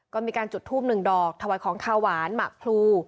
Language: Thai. ก็มีการจุดทูบหนึ่งดอกถวายของขาวหวานหมักพลู